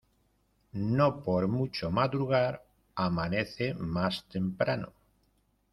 No por mucho madrugar amanece más temprano.